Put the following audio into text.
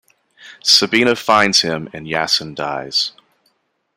Sabina finds him and Yassen dies.